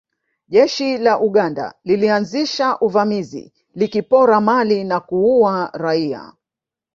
Jeshi la Uganda lilianzisha uvamizi likipora mali na kuua raia